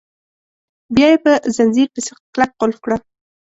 بیا یې په ځنځیر پسې کلک قلف کړه.